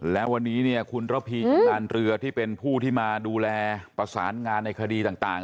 และวันนี้เนี่ยคุณระพีชำนาญเรือที่เป็นผู้ที่มาดูแลประสานงานในคดีต่าง